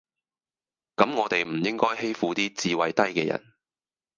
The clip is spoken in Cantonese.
咁我地唔應該欺負啲智慧低嘅人